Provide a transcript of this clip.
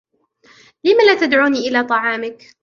لم لا تدعوني إلى طعامك